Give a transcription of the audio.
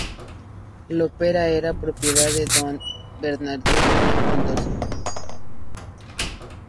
Lopera era propiedad de "Don" Bernardino de Mendoza.